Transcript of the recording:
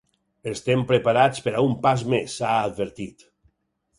Estem preparats per a un pas més, ha advertit.